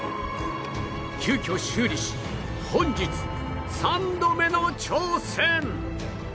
急きょ修理し本日３度目の挑戦